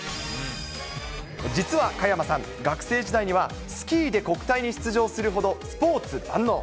実は加山さん、学生時代には、スキーで国体に出場するほどスポーツ万能。